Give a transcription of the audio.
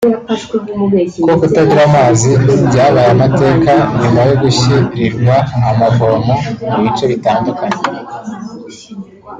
ko kutagira amazi byabaye amateka nyuma yo gushyirirwa amavomo mu bice bitandukanye